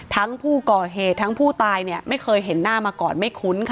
ทั้งผู้ก่อเหตุทั้งผู้ตายเนี่ยไม่เคยเห็นหน้ามาก่อนไม่คุ้นค่ะ